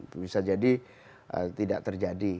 bisa jadi tidak terjadi